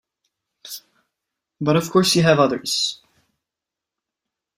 But of course you have others.